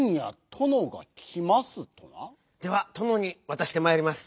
ではとのにわたしてまいります。